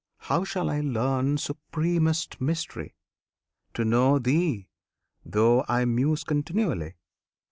How shall I learn, Supremest Mystery! To know Thee, though I muse continually?